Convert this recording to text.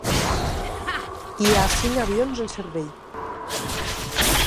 Hi ha cinc avions en servei.